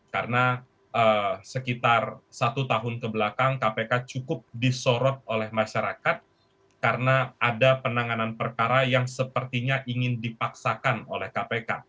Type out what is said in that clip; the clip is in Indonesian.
karena sekitar satu tahun kebelakang kpk cukup disorot oleh masyarakat karena ada penanganan perkara yang sepertinya ingin dipaksakan oleh kpk